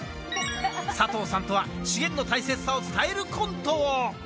佐藤さんとは、資源の大切さを伝えるコントを。